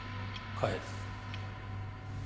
帰る。